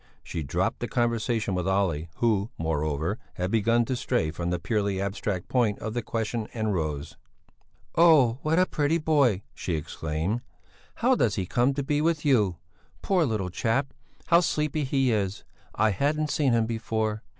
She dropped the conversation with Olle, who, moreover, had begun to stray from the purely abstract point of the question and rose. "Oh! what a pretty boy!" she exclaimed. "How does he come to be with you? Poor little chap! How sleepy he is! I hadn't seen him before."